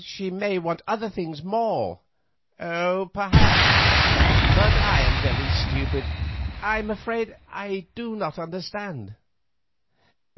"She may want other things more." "Perhaps. But I am very stupid, I am afraid I do not understand."